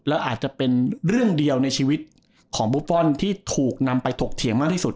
แล้วอาจจะเป็นเรื่องเดียวในชีวิตของบุฟฟอลที่ถูกนำไปถกเถียงมากที่สุด